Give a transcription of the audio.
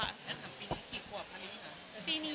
ปีนี้กี่ขวบครับนี้ค่ะ